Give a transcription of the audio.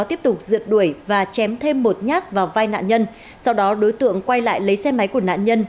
tiếp tục rượt đuổi và chém thêm một nhát vào vai nạn nhân sau đó đối tượng quay lại lấy xe máy của nạn nhân